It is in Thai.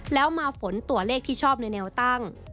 แล้วมาฝนตัวเลขที่ชอบในแนวตั้ง